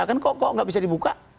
ya kan kok kok gak bisa dibuka